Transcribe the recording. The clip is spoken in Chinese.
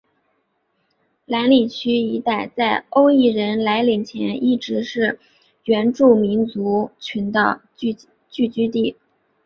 兰里区一带在欧裔人来临前一直是原住民族群的聚居地。